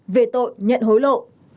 về tội nhận hối lộ